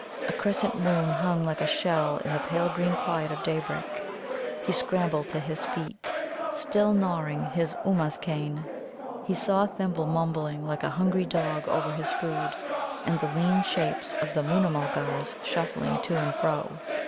A crescent moon hung like a shell in the pale green quiet of daybreak. He scrambled to his feet, still gnawing his Ummuz cane. He saw Thimble mumbling like a hungry dog over his food, and the lean shapes of the Moona mulgars shuffling to and fro.